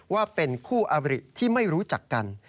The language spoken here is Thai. ว่าเป็นคู่อบริที่ไม่รู้จักกัน